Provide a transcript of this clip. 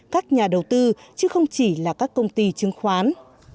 các nhà đầu tư chứ không chỉ là các công ty chứng khoán